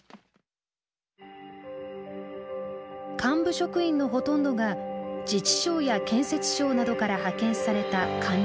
幹部職員のほとんどが自治省や建設省などから派遣された官僚。